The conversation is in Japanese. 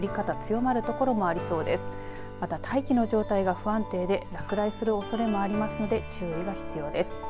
また、大気の状態が不安定で落雷するおそれもありますので注意が必要です。